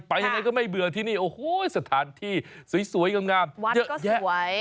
ยังไงก็ไม่เบื่อที่นี่โอ้โหสถานที่สวยงามวัดเยอะก็สวย